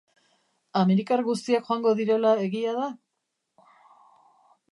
Amerikar guztiak joango direla egia da?